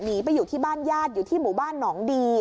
หนีไปอยู่ที่บ้านญาติอยู่ที่หมู่บ้านหนองดี